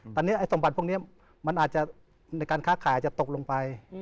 ตอนนี้สมบัติพวกนี้มันอาจจะในการค้าขายอาจจะตกลงไป